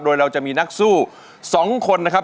โดยเราจะมีนักสู้๒คนนะครับ